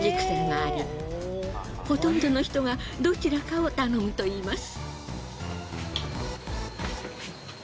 ほとんどの人がどちらかを頼むといいます。